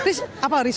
faris apa faris